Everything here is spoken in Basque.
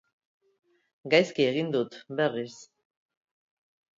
Gaizki egin dut, berriz.